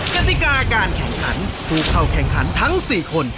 กติกาการแข่งขันผู้เข้าแข่งขันทั้ง๔คน